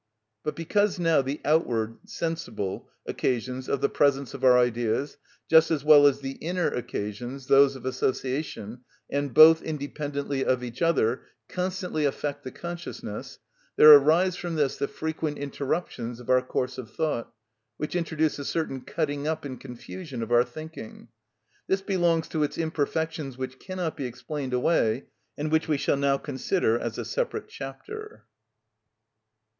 But because now the outward (sensible) occasions of the presence of our ideas, just as well as the inner occasions (those of association), and both independently of each other, constantly affect the consciousness, there arise from this the frequent interruptions of our course of thought, which introduce a certain cutting up and confusion of our thinking. This belongs to its imperfections which cannot be explained away, and which we shall now consider in a separate chapter.